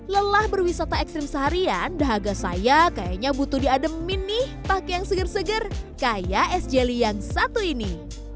lelah berwisata ekstrim seharian dahaga saya kayaknya butuh diademin nih pakai yang seger seger kayak es jelly yang satu ini